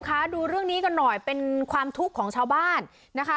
คะดูเรื่องนี้กันหน่อยเป็นความทุกข์ของชาวบ้านนะคะ